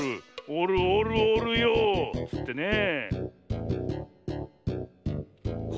おるおるおるよっつってねえ。